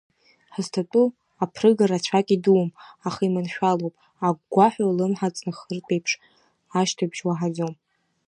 Ҳазҭатәоу аԥрыга рацәак идуум, аха иманшәалоуп, агәгәаҳәа улымҳа ҵнахыртә еиԥш ашьҭыбжь уаҳаӡом.